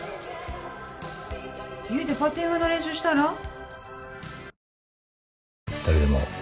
家でパッティングの練習したら？